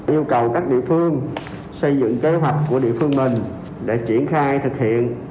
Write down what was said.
yêu cầu các địa phương xây dựng kế hoạch của địa phương mình để triển khai thực hiện